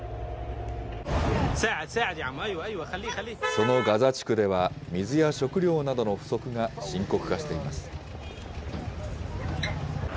そのガザ地区では水や食料などの不足が深刻化しています。